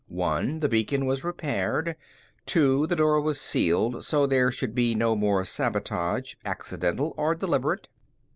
One: The beacon was repaired. Two: The door was sealed, so there should be no more sabotage, accidental or deliberate.